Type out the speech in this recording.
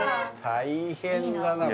大変だな